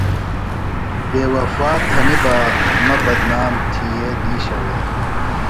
بے وفا تھنیۡ بہ مہ بدنام تھیئے دیشہ وے۔